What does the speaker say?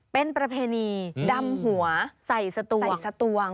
เป็นประเพณีดำหัวใส่สตวงสตวง